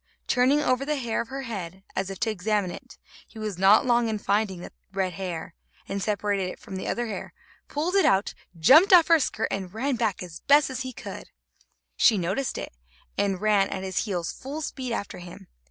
Turning over the hair of her head, as if to examine it, he was not long in finding that red hair, and separated it from the other hair, pulled it out, jumped off her skirt and ran away back as he best could. She noticed it, and ran at his heels full speed after him.